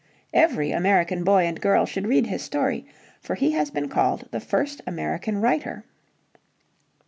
Every American boy and girl should read his story, for he has been called the first American writer.